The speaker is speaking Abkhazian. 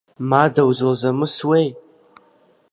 Мада узылзамысуеи?